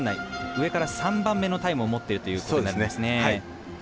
上から３番目のタイムを持っているということになります。